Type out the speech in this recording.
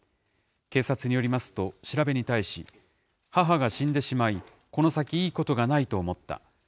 警察によりますと、調べに対し、母が死んでしまい、この先いいことがないと思った。